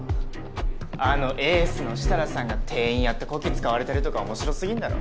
あのエースの設楽さんが店員やってこき使われてるとか面白すぎんだろ。